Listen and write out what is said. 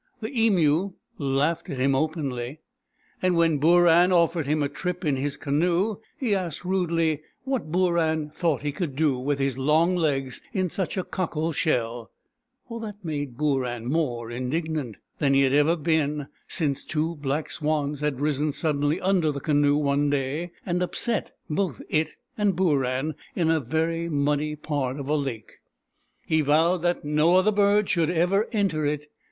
The Emu laughed at him openly, and when Booran offered him a trip in his canoe he asked rudely what Booran thought he could do with his long legs in such a cockle shell ? That made Booran more indignant than he had ever been since two black swans had risen suddenly under the canoe one day and upset both it and Booran in a very muddy part of a lake. He vowed that no other bird should ever enter it.